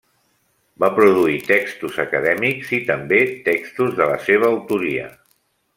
Va produir textos acadèmics i també textos de la seva autoria.